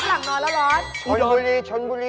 จังหวัดติ๊กฝรั่งนอนแล้วร้อน